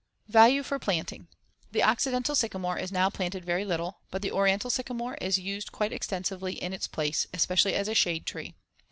Value for planting: The Occidental sycamore is now planted very little, but the Oriental sycamore is used quite extensively in its place, especially as a shade tree.